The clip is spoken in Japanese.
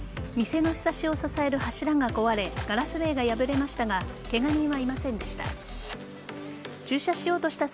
店のひさしを支える柱が壊れガラス壁が破れましたがケガ人はいませんでした。